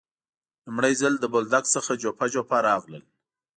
لومړی ځل له بولدک څخه جوپه جوپه راغلل.